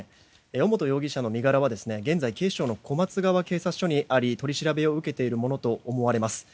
尾本容疑者の身柄は、現在警視庁の小松川警察署にあり取り調べを受けているものと思われます。